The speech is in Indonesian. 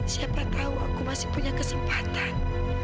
siapa tahu aku masih punya kesempatan